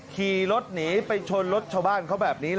ขี่รถหนีไปชนรถชาวบ้านเขาแบบนี้